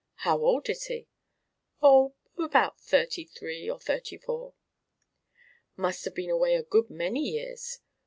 "How old is he?" "Oh, about thirty three or thirty four." "Must have been away a good many years.